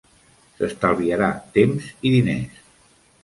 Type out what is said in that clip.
S'estalviarà temps i diners.